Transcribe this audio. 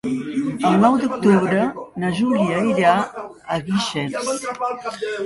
El nou d'octubre na Júlia irà a Guixers.